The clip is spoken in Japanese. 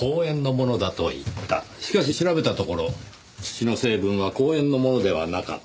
しかし調べたところ土の成分は公園のものではなかった。